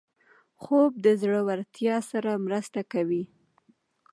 خوب د زړورتیا سره مرسته کوي